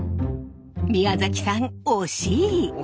宮崎さん惜しい！